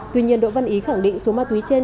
tuy nhiên đỗ văn ý khẳng định số ma túy trên